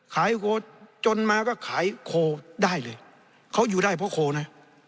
โคจนมาก็ขายโคได้เลยเขาอยู่ได้เพราะโคนะ